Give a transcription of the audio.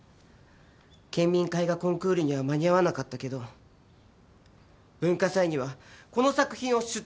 県民絵画コンクールには間に合わなかったけど文化祭にはこの作品を出展しよう。